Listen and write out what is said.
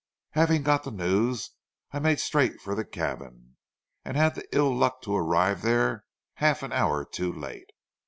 "Having got the news, I made straight for the cabin, and had the ill luck to arrive there half an hour too late.